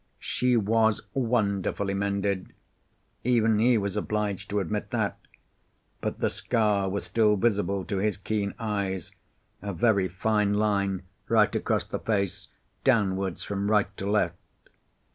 She was wonderfully mended. Even he was obliged to admit that; but the scar was still visible to his keen eyes, a very fine line right across the face, downwards from right to left.